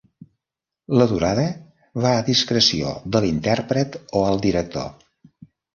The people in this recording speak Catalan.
La durada va a discreció de l'intèrpret o el director.